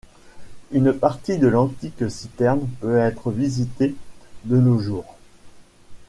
Une partie de l’antique citerne peut être visitée de nos jours.